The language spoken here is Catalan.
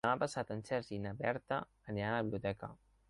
Demà passat en Sergi i na Berta aniran a la biblioteca.